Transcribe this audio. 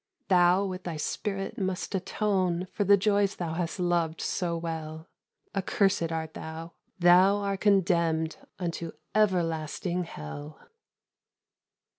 "Thou with thy spirit must atone For the joys thou hast loved so well; Accursed art thou! thou are condemned Unto everlasting hell!"